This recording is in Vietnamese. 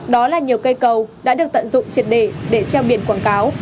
đó là nhiều cây cầu đã được tận dụng triệt để để treo biển quảng cáo